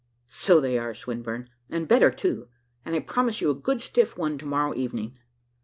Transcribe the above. "So they are, Swinburne, and better too, and I promise you a good stiff one to morrow evening."